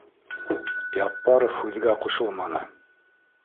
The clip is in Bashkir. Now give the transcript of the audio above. Яппаров һүҙгә ҡушылманы